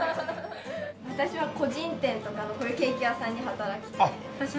私は個人店とかのこういうケーキ屋さんで働きたいです。